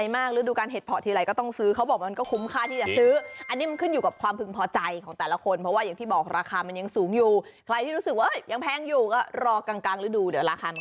มันกำลังปุ๊ด